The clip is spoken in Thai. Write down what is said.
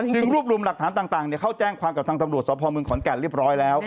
รวบรวมหลักฐานต่างเข้าแจ้งความกับทางตำรวจสพเมืองขอนแก่นเรียบร้อยแล้ว